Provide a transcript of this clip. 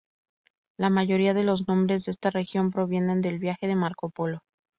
La mayoría de los nombres de esta región provienen del viaje de Marco Polo.